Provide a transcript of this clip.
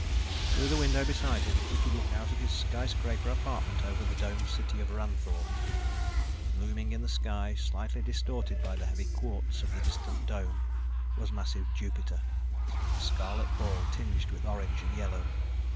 Through the window beside him, he could look out of his skyscraper apartment over the domed city of Ranthoor. Looming in the sky, slightly distorted by the heavy quartz of the distant dome, was massive Jupiter, a scarlet ball tinged with orange and yellow.